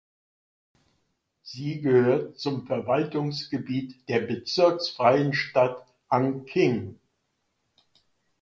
Sie gehört zum Verwaltungsgebiet der bezirksfreien Stadt Anqing.